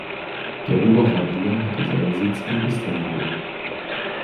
Der Oberrabbiner hat seinen Sitz in Istanbul.